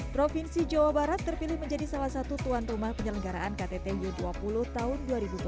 provinsi jawa barat terpilih menjadi salah satu tuan rumah penyelenggaraan ktt u dua puluh tahun dua ribu dua puluh